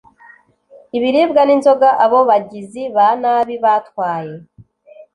ibiribwa n’inzoga abo bagizi ba nabi batwaye